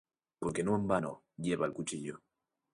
porque no en vano lleva el cuchillo;